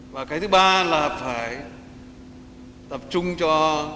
và cái thứ ba là phải tập trung cho